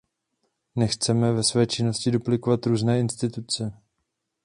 Nechceme ve své činnosti duplikovat různé instituce.